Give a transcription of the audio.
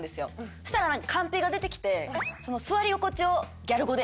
そしたらカンペが出てきて「座り心地をギャル語で！」